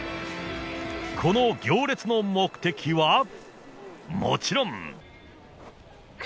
この行列の目的は、もちろん。